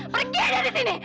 pergi dari sini